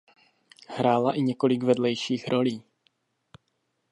Hrála i několik vedlejších rolí.